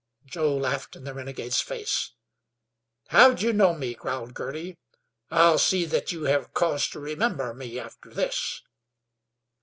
Joe laughed in the renegades face. "How'd you knew me?" growled Girty. "I'll see thet you hev cause to remember me after this."